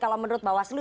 kalau menurut mbak waslu